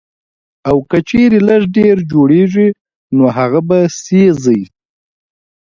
او کۀ چرې لږ ډېر جوړيږي نو هغه به سېزئ